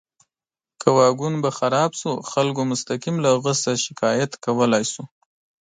که واګون به خراب شو، خلکو مستقیم له هغه څخه شکایت کولی شو.